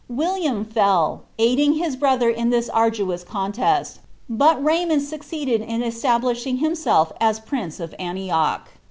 William fell, aiding his brother in this arduous contest; but Raymond succeeded in establishing himself as prince of Antioch.